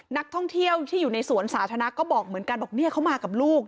นักท่องเที่ยวที่อยู่ในสวนสาธารณะก็บอกเหมือนกันบอกเนี่ยเขามากับลูก